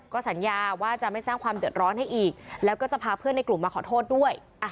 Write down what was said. ก็สัญญาว่าจะไม่สร้างความเดือดร้อนให้อีกแล้วก็จะพาเพื่อนในกลุ่มมาขอโทษด้วย